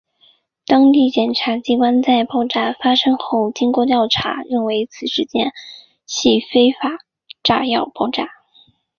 当地检察机关在爆炸发生后经过调查认为此事件系非法炸药爆炸。